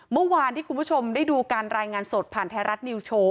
เมื่อวานที่คุณผู้ชมได้ดูการรายงานสดผ่านไทยรัฐนิวโชว